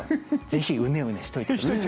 ぜひうねうねしといて下さい。